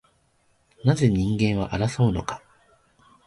なぜ人間は争うのか